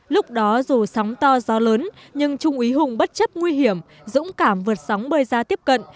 lúc đó dù sóng to gió lớn nhưng trung ý hùng bất chấp nguy hiểm dũng cảm vượt sóng bơi ra tiếp cận